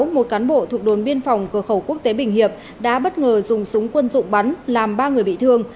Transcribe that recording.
một cán bộ thuộc đồn biên phòng cửa khẩu quốc tế bình hiệp đã bất ngờ dùng súng quân dụng bắn làm ba người bị thương